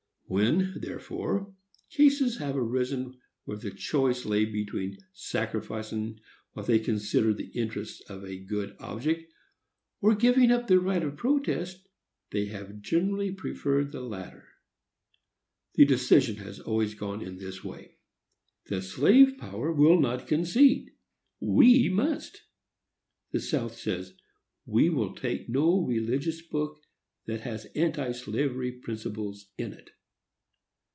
When, therefore, cases have arisen where the choice lay between sacrificing what they considered the interests of a good object, or giving up their right of protest, they have generally preferred the latter. The decision has always gone in this way: The slave power will not concede,—we must. The South says, "We will take no religious book that has anti slavery principles in it."